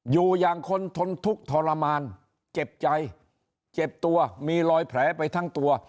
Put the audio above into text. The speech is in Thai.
อยู่อย่างคนทนทุกข์ทรมานเจ็บใจเจ็บตัวมีรอยแผลไปทั้งตัว